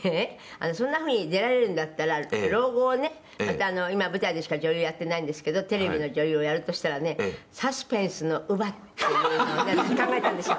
そんな風に出られるんだったら老後をねまた今舞台でしか女優やってないんですけどテレビの女優をやるとしたらねサスペンスの乳母っていうのを私考えたんですよ」